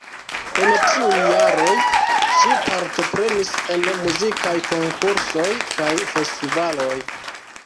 En tiuj jaroj ŝi partoprenis en muzikaj konkursoj kaj festivaloj.